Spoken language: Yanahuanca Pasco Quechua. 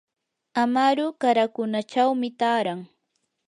amaru qarakunachawmi taaran.